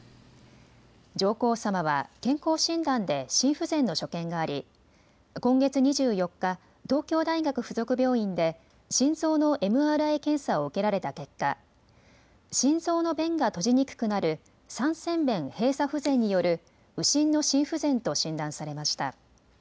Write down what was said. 上皇さまは健康診断で心不全の所見があり今月２４日、東京大学附属病院で心臓のＭＲＩ検査を受けられた結果、心臓の弁が閉じにくくなる三尖弁閉鎖不全による右心の心不全と診断されました。